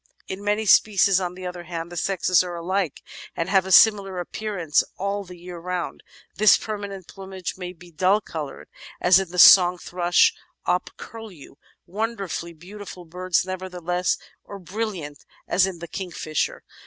In many species, on the other hand, the sexes are alike and have a similar appear ance all the year round; this permanent plumage may be dull coloured as in the Song Thrush op Curlew — ^wonderfully beautiful birds, nevertheless — or brilliant as in the Kingfisher.